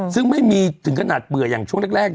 ซึ่งไม่มีถึงขนาดเบื่ออย่างช่วงแรก